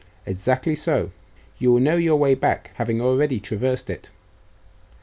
'Exactly so; you will know your way back, having already traversed it.